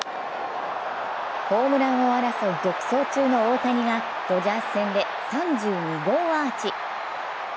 ホームラン王争い独走中の大谷がドジャース戦で３２号アーチ。